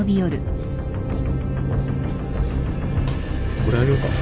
これあげようか？